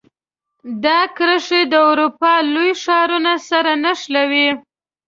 دا کرښې د اروپا لوی ښارونو سره نښلوي.